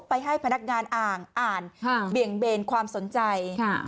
ให้พนักงานอ่างอ่านเบี่ยงเบนความสนใจ